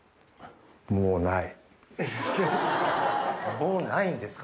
もうないんですか？